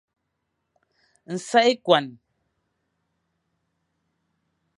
Nsak ekuan.